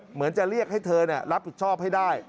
เหมือนจะเรียกให้เธอรับผิดชอบให้ได้